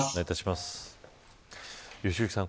良幸さん